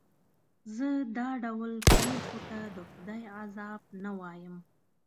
زه دا ډول پېښو ته د خدای عذاب نه وایم.